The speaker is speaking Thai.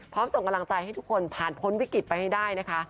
ส่งกำลังใจให้ทุกคนผ่านพ้นวิกฤตไปให้ได้นะคะ